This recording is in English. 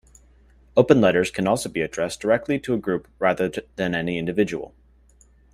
Open letters can also be addressed directly to a group rather than any individual.